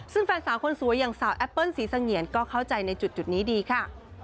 ซึ่งแฟนสาวคนสวยอย่างสาวแอปเปิ้ลศรีเสงียนก็เข้าใจในจุดนี้ดีค่ะ